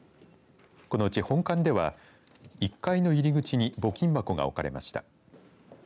このうち本館では１階の入り口に募金箱が置かれました。